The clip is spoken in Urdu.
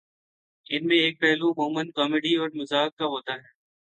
ان میں ایک پہلو عمومًا کامیڈی یا مزاح کا ہوتا ہے